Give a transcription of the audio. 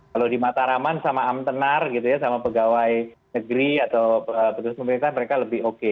kalau di mataraman sama amtenar gitu ya sama pegawai negeri atau petugas pemerintah mereka lebih oke